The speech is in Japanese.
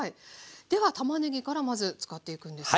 ではたまねぎからまず使っていくんですが。